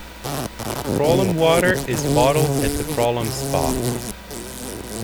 Prolom water is bottled at the Prolom Spa.